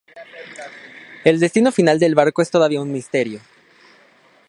El destino final del barco es todavía un misterio.